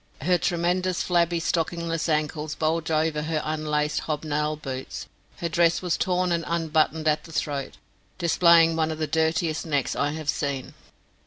Her tremendous, flabby, stockingless ankles bulged over her unlaced hobnailed boots; her dress was torn and unbuttoned at the throat, displaying one of the dirtiest necks I have seen.